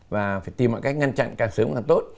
và phải tìm mọi cách ngăn chặn càng sớm càng tốt